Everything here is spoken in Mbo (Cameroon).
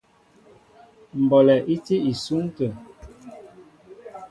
Mbɔlɛ í tí isúŋ atə̂.